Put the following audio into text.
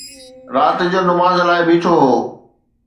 رات جو نماز لاءِ بيٺو هو